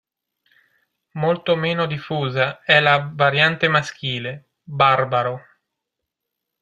Molto meno diffusa è la variante maschile, Barbaro.